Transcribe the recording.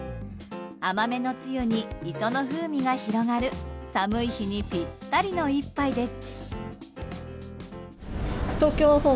甘めのつゆに、磯の風味が広がる寒い日にぴったりの１杯です。